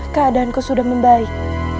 keadaanku sudah membaik